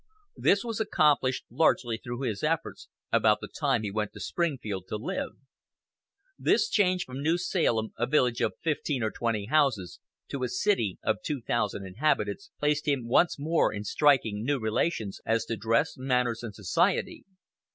This was accomplished, largely through his efforts, about the time he went to Springfield to live. This change from New Salem, a village of fifteen or twenty houses, to a "city" of two thousand inhabitants, placed him once more in striking new relations as to dress, manners, and society.